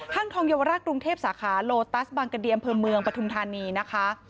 ห้างทองเยาวรักษ์รุงเทพสาขาโลตัสบางกระเดียมเผิมเมืองปทุมธานีนะคะ